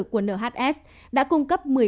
của nhs đã cung cấp